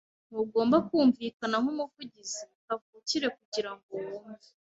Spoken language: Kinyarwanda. Ntugomba kumvikana nkumuvugizi kavukire kugirango wumve.